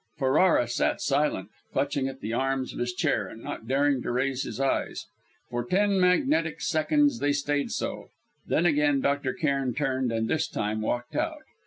Ferrara sat silent, clutching at the arms of his chair, and not daring to raise his eyes. For ten magnetic seconds they stayed so, then again Dr. Cairn turned, and this time walked out.